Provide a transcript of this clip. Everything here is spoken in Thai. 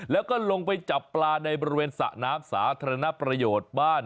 แล้วก็ลงไปจับปลาในบริเวณสระน้ำสาธารณประโยชน์บ้าน